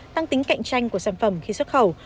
tăng tính cạnh tranh của sản phẩm khi xuất khẩu